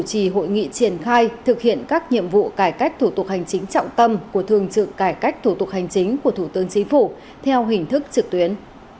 đồng chí hội nghị triển khai thực hiện các nhiệm vụ cải cách thủ tục hành chính trọng tâm của thượng trưởng cải cách thủ tục hành chính của thủ tướng chính phủ theo hình thức trực tuyến